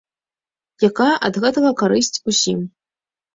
Якая ад гэтага карысць усім?